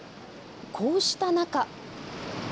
こうした中。